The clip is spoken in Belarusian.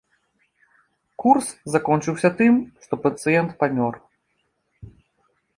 Курс закончыўся тым, што пацыент памёр.